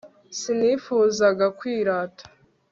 sinifuzaga kwirata